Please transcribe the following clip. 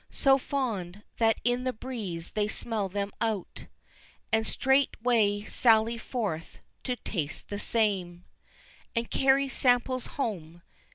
So fond, that in the breeze they smell them out And straightway sally forth to taste the same, And carry samples home.